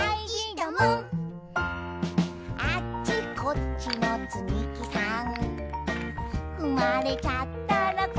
「こっちこっちつみきさん